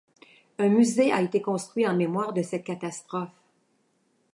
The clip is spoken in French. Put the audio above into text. Un musée a été construit en mémoire de cette catastrophe.